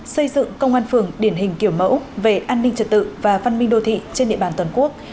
xây dựng công an phường điển hình kiểu mẫu về an ninh trật tự và văn minh đô thị trên địa bàn toàn quốc